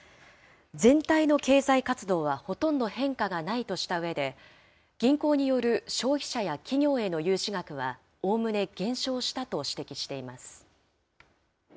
全体の経済活動はほとんど変化がないとしたうえで、銀行による消費者や企業への融資額は、おおむね減少したと指摘しています。